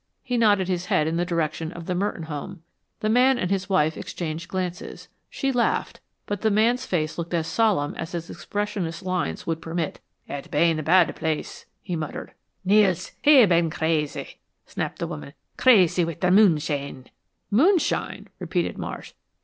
He nodded his head in the direction of the Merton home. The man and his wife exchanged glances. She laughed, but the man's face looked as solemn as its expressionless lines would permit. "Et bane bad place," he muttered. "Nels he bane crazy!" snapped the woman. "Crazy widt de moonshane!" "Moonshine!" repeated Marsh.